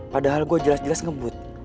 padahal gue jelas jelas ngebut